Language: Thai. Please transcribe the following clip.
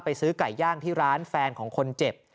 ซื้อไก่ย่างที่ร้านแฟนของคนเจ็บ